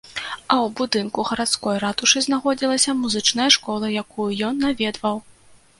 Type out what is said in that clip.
А ў будынку гарадской ратушы знаходзілася музычная школа, якую ён наведваў.